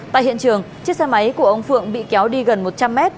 tại hiện trường chiếc xe máy của ông phượng bị kéo đi gần một trăm linh mét